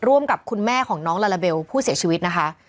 กับคุณแม่ของน้องลาลาเบลผู้เสียชีวิตนะคะ